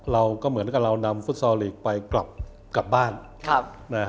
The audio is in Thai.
เราก็เหมือนกับเรานำฟุตซอลลีกไปกลับกลับบ้าน